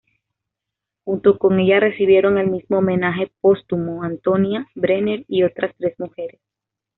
Junto con ella recibieron el mismo homenaje póstumo Antonia Brenner y otras tres mujeres.